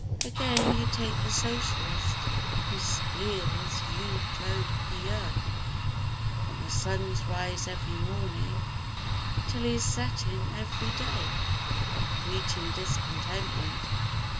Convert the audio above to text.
Again, you take the Socialist, Who spiels U to pi a From the Sun's rise every mornin' 'Till his settin' every day, A preachin' discontentment